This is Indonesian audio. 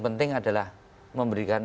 penting adalah memberikan